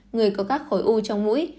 người có các khối u trong mũi